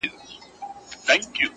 دغه ساغر هغه ساغر هره ورځ نارې وهي”